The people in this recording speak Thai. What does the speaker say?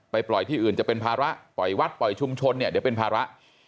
ปล่อยที่อื่นจะเป็นภาระปล่อยวัดปล่อยชุมชนเนี่ยเดี๋ยวเป็นภาระ